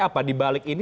apa dibalik ini